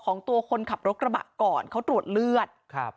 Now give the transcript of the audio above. ของตัวคนขับรถกระบะก่อนเขาตรวจเลือดครับ